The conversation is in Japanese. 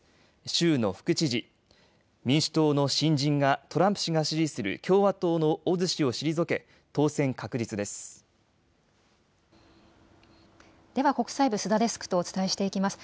州の副知事、民主党の新人がトランプ氏が支持する共和党のオズ氏を退け当選確実です。